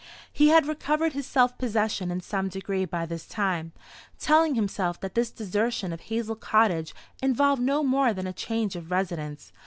He had recovered his self possession in some degree by this time, telling himself that this desertion of Hazel Cottage involved no more than a change of residence.